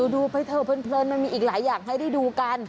ดูเพื่อนมันมีอีกหลายอย่างให้ดูกัน